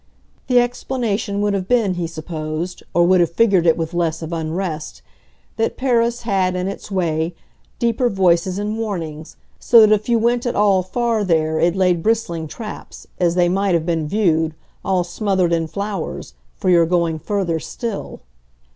The explanation would have been, he supposed or would have figured it with less of unrest that Paris had, in its way, deeper voices and warnings, so that if you went at all "far" there it laid bristling traps, as they might have been viewed, all smothered in flowers, for your going further still.